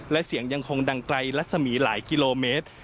และเสียงยังคงดังไกลรัศมีหลายกิโลเมตร